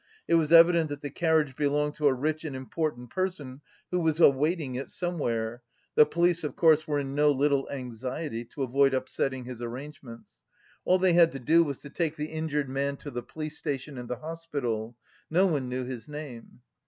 It was evident that the carriage belonged to a rich and important person who was awaiting it somewhere; the police, of course, were in no little anxiety to avoid upsetting his arrangements. All they had to do was to take the injured man to the police station and the hospital. No one knew his name.